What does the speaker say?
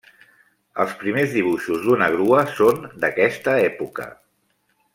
Els primers dibuixos d'una grua són d'aquesta època.